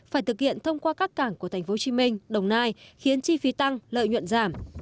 phải thực hiện thông qua các cảng của tp hcm đồng nai khiến chi phí tăng lợi nhuận giảm